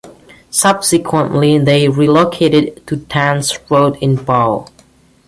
Subsequently they relocated to Dace Road in Bow.